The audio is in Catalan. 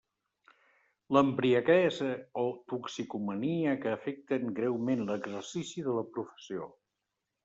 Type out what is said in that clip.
L'embriaguesa o toxicomania que afecten greument l'exercici de la professió.